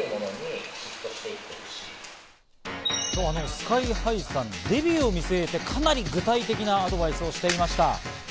ＳＫＹ−ＨＩさん、デビューを見据えてかなり具体的なアドバイスをしていました。